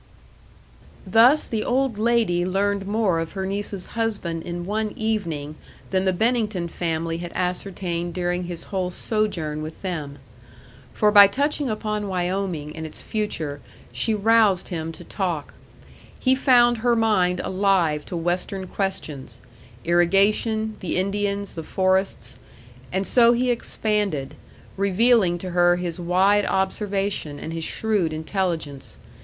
Thus the old lady learned more of her niece's husband in one evening than the Bennington family had ascertained during his whole sojourn with them. For by touching upon Wyoming and its future, she roused him to talk. He found her mind alive to Western questions: irrigation, the Indians, the forests; and so he expanded, revealing to her his wide observation and his shrewd intelligence.